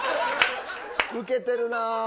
ウケてるな。